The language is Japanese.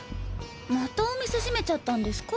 またお店閉めちゃったんですか？